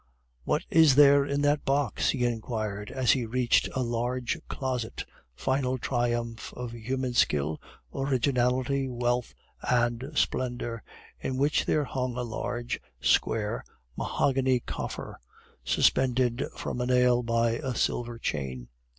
"What is there in that box?" he inquired, as he reached a large closet final triumph of human skill, originality, wealth, and splendor, in which there hung a large, square mahogany coffer, suspended from a nail by a silver chain.